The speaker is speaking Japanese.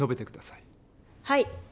はい。